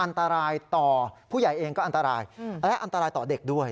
อันตรายต่อผู้ใหญ่เองก็อันตรายและอันตรายต่อเด็กด้วย